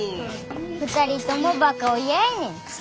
二人ともバカ親やねん。